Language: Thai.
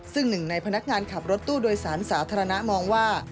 ซึ่งหนึ่งในพนักงานขับรถตู้โดยสารสาธารณะมองว่า